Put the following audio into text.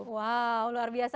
wah luar biasa